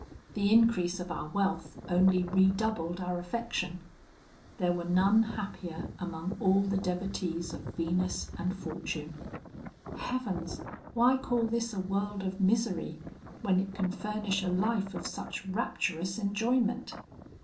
The increase of our wealth only redoubled our affection. There were none happier among all the devotees of Venus and Fortune. Heavens! why call this a world of misery, when it can furnish a life of such rapturous enjoyment?